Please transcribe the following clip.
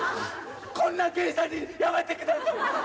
こんな芸者にやめてください！